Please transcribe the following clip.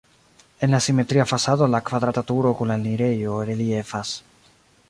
En la simetria fasado la kvadrata turo kun la enirejo reliefas.